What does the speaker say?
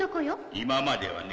今まではね。